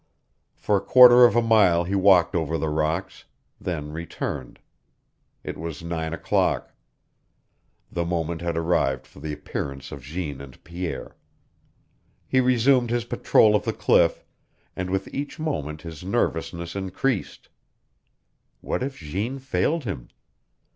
For a quarter of a mile he walked over the rocks, then returned. It was nine o'clock. The moment had arrived for the appearance of Jeanne and Pierre. He resumed his patrol of the cliff, and with each moment his nervousness increased. What if Jeanne failed him?